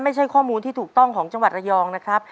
ไม่ใช่ข้อมูลที่ถูกต้องของจังหวัดระยองนะครับ